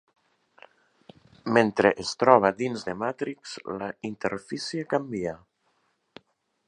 Mentre es troba dins de Matrix, la interfície canvia.